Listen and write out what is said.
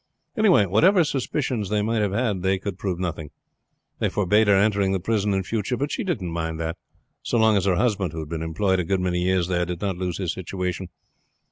Anyhow, whatever suspicions they might have had they could prove nothing. They forbade her entering the prison in future; but she didn't mind that so long as her husband, who had been employed a good many years there, did not lose his situation.